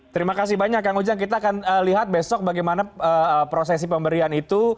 terima kasih banyak kang ujang kita akan lihat besok bagaimana prosesi pemberian itu